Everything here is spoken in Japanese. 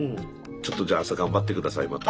ちょっとじゃあ朝頑張って下さいまた。